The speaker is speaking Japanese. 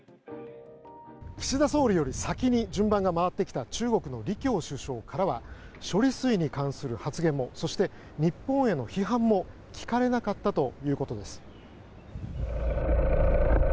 岸田総理より先に順番が回ってきた中国の李強首相からは処理水に関する発言もそして、日本への批判も聞かれなかったということです。